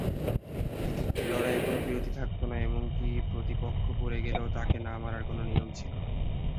এক একটি লড়াইয়ে কোনো বিরতি থাকত না এমনকি প্রতিপক্ষ পড়ে গেলেও তাকে না মারার কোনো নিয়ম ছিল না।